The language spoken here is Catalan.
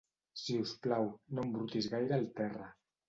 Si us plau, no embrutis gaire el terra.